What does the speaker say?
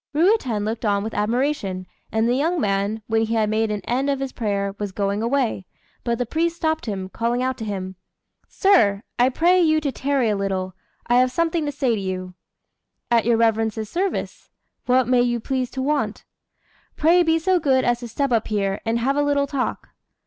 Ruiten looked on with admiration; and the young man, when he had made an end of his prayer, was going away; but the priest stopped him, calling out to him "Sir, I pray you to tarry a little: I have something to say to you." "At your reverence's service. What may you please to want?" "Pray be so good as to step up here, and have a little talk."